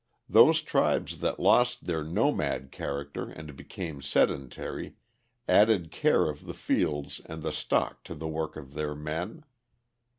Those tribes that lost their nomad character and became sedentary added care of the fields and the stock to the work of their men.